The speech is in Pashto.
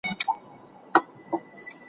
د نجونو تعليم د ګډو کارونو منظم تګلاره جوړوي.